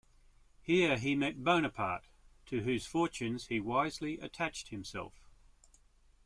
Here he met Bonaparte, to whose fortunes he wisely attached himself.